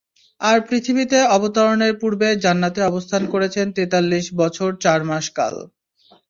আর পৃথিবীতে অবতরণের পূর্বে জান্নাতে অবস্থান করেছেন তেতাল্লিশ বছর চার মাস কাল।